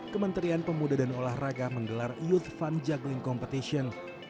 kementerian pemuda dan olahraga menggelar youth fun juggling competition